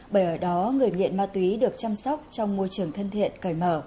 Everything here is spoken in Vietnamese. bởi ở đó người nghiện ma túy được chăm sóc trong môi trường thân thiện cởi mở